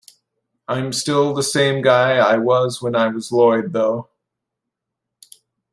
I'm still the same guy I was when I was Lloyd, though.